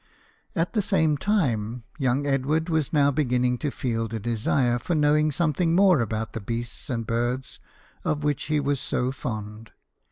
At the same time, young Edward was now beginning to feel the desire for knowing some thing more about the beasts and birds of which he was so fond.